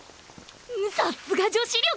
さっすが女子力！